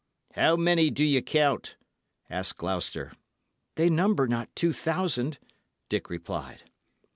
"How many do ye count?" asked Gloucester. "They number not two thousand," Dick replied.